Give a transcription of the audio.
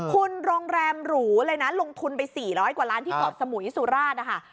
คุณโรงแรมหรูเลยนะลงทุนไป๔๐๐กว่าล้านที่เกาะสมุยสุราชนะคะ